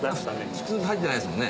普通入ってないですもんね？